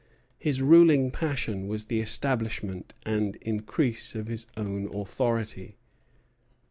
His ruling passion was the establishment and increase of his own authority.